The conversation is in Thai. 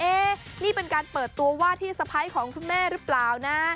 นี่เป็นการเปิดตัวว่าที่สะพ้ายของคุณแม่หรือเปล่านะ